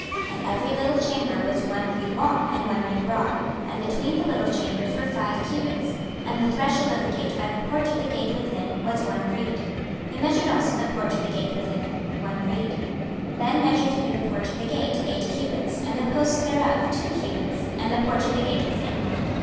26:040:007 And every little chamber was one reed long, and one reed broad; and between the little chambers were five cubits; and the threshold of the gate by the porch of the gate within was one reed. 26:040:008 He measured also the porch of the gate within, one reed. 26:040:009 Then measured he the porch of the gate, eight cubits; and the posts thereof, two cubits; and the porch of the gate was inward.